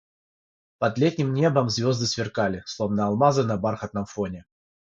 Под летним небом звезды сверкали, словно алмазы на бархатном фоне.